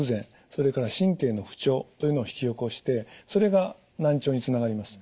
それから神経の不調というのを引き起こしてそれが難聴につながります。